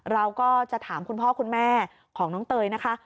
เราก็จะถามคุณพ่อคุณแม่ของน้องเตยนะคะ